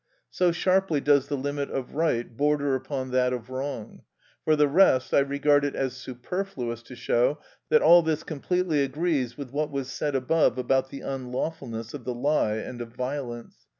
So sharply does the limit of right border upon that of wrong. For the rest, I regard it as superfluous to show that all this completely agrees with what was said above about the unlawfulness of the lie and of violence.